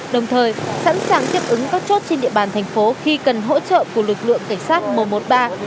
đồng thời sẵn sàng tiếp ứng các chốt trên địa bàn thành phố khi cần hỗ trợ của lực lượng cảnh sát một trăm một mươi ba